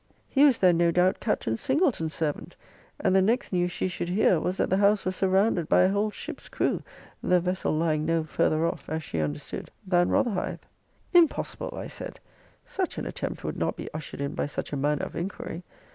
He was then, no doubt, Captain Singleton's servant, and the next news she should hear, was, that the house was surrounded by a whole ship's crew; the vessel lying no farther off, as she understood, than Rotherhithe. Impossible, I said. Such an attempt would not be ushered in by such a manner of inquiry.